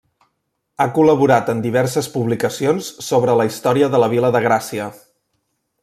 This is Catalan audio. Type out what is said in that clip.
Ha col·laborat en diverses publicacions sobre la història de la vila de Gràcia.